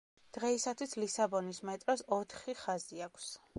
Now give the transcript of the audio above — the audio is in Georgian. დღეისათვის ლისაბონის მეტროს ოთხი ხაზი აქვს.